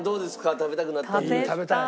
食べたくなってる？